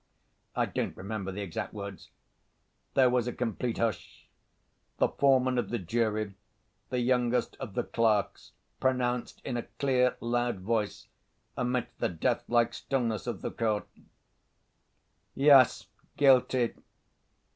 (I don't remember the exact words.) There was a complete hush. The foreman of the jury, the youngest of the clerks, pronounced, in a clear, loud voice, amidst the deathlike stillness of the court: "Yes, guilty!"